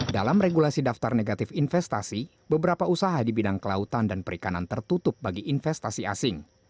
dalam regulasi daftar negatif investasi beberapa usaha di bidang kelautan dan perikanan tertutup bagi investasi asing